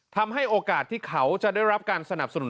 ทำให้โอกาสที่เขาจะได้รับการสนับสนุน